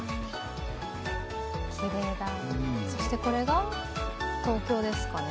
そしてこれが東京ですかね。